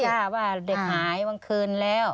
ใช่ว่าเด็กหายวันคืนแล้ว